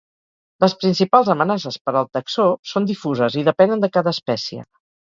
Les principals amenaces per al taxó són difuses i depenen de cada espècie.